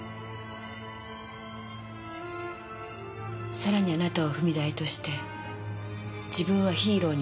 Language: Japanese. さらにあなたを踏み台として自分はヒーローになった。